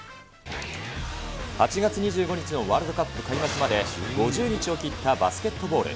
８月２５日のワールドカップ開幕まで５０日を切ったバスケットボール。